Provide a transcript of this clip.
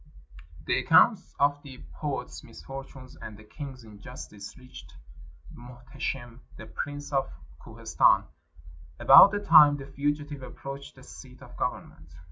The accounts of the poet's misfortunes and the king's injustice reached Muhteshim, the Prince of Kohistan, about the time the fugitive approached the seat of government.